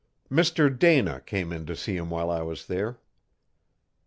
Mr Dana came in to see him while I was there.